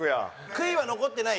悔いは残ってない？